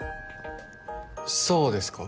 そうですか？